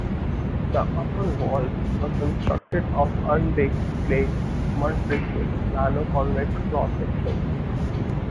The upper walls were constructed of unbaked clay mudbricks with plano-convex cross-sections.